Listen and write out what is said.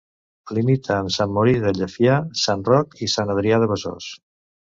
Limita amb Sant Mori de Llefià, Sant Roc i Sant Adrià de Besòs.